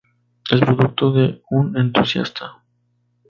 Es producto de un entusiasta.